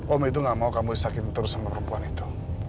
om itu gak mau kamu sakit terus sama perempuan itu